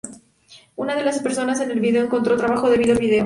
Una de las personas en el video encontró trabajo debido al video.